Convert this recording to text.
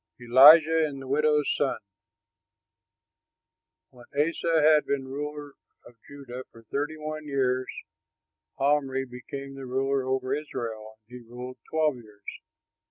ELIJAH AND THE WIDOW'S SON When Asa had been ruler of Judah for thirty one years Omri became ruler over Israel, and he ruled twelve years.